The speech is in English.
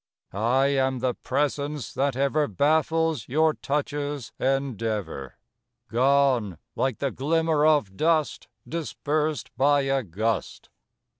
I am the presence that ever Baffles your touch's endeavor, Gone like the glimmer of dust Dispersed by a gust.